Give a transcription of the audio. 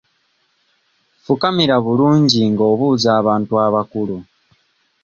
Fukamira bulungi nga obuuza abantu abakulu.